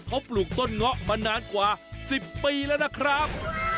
เขาปลูกต้นเงาะมานานกว่า๑๐ปีแล้วนะครับ